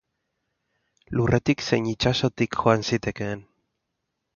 Lurretik zein itsasotik joan zitekeen.